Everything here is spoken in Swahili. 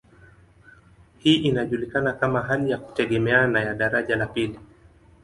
Hii inajulikana kama hali ya kutegemeana ya daraja la pili.